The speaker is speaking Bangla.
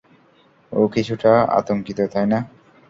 ও কিছুটা আতঙ্কিত, তাই না?